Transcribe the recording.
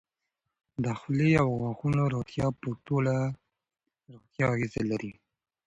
د خولې او غاښونو روغتیا په ټوله روغتیا اغېز لري.